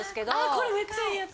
これめっちゃいいやつ。